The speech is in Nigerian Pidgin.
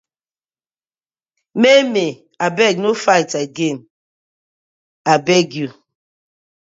Maymay abeg no fight again abeg yu.